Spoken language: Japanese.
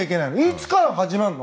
いつから始まるの？